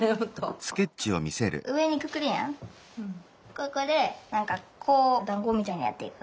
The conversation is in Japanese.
ここでなんかこうだんごみたいにやっていくが。